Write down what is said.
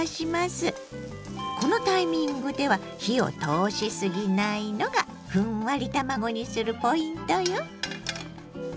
このタイミングでは火を通しすぎないのがふんわり卵にするポイントよ。